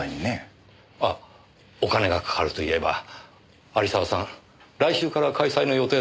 あっお金がかかるといえば有沢さん来週から開催の予定だったそうですね。